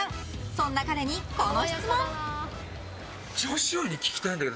そんな彼に、この質問。